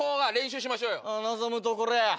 望むところや。